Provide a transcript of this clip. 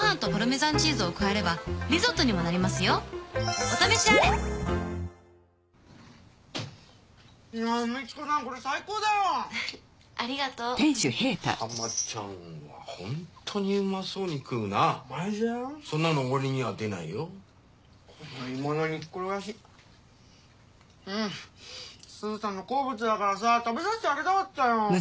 スーさんの好物だからさ食べさせてあげたかったよ。